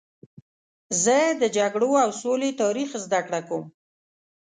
زه د جګړو او سولې تاریخ زدهکړه کوم.